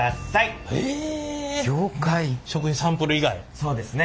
そうですね。